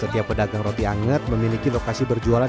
setiap pedagang roti anget memiliki lokasi berjualan